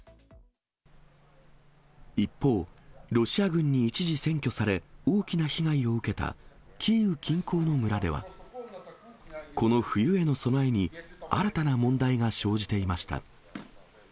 一方、ロシア軍に一時占拠され大きな被害を受けたキーウ近郊の村では、この冬への備えに、新たな問題が生じていました。